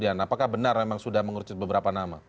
apakah benar memang sudah mengurucut beberapa nama